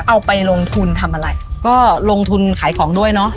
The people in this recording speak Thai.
เอาไปลงทุนทำอะไรก็ลงทุนขายของด้วยเนอะ